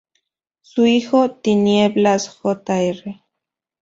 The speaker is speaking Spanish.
Su hijo; Tinieblas Jr.